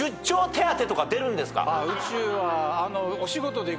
宇宙は。